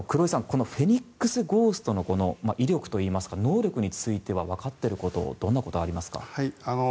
このフェニックスゴーストの威力といいますか能力についてはわかっていることどんなことがありますか？